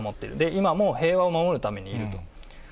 今も平和を守るためにいると。